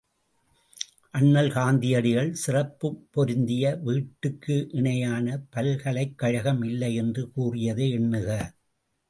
அண்ணல் காந்தியடிகள், சிறப்புப் பொருந்திய வீட்டுக்கு இணையான பல்கலைக்கழகம் இல்லை என்று கூறியதை எண்ணுக.